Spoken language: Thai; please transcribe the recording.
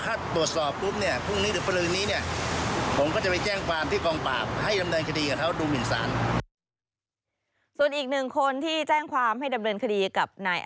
ถ้าตรวจสอบปุ๊บเนี่ยพรุ่งนี้หรือฝรือนี้เนี่ย